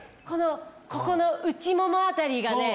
ここの内もも辺りがね